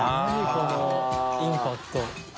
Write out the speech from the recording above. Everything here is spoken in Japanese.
このインパクト。